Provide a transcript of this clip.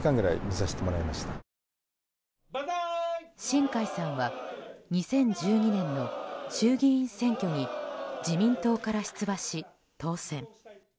新開さんは２０１２年の衆議院選挙に自民党から出馬し当選。